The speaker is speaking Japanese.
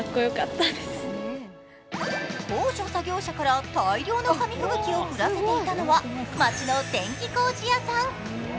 高所作業車から大量の紙吹雪をふらせていたのは街の電気工事屋さん。